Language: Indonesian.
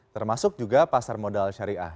termasuk juga pasar modal syariah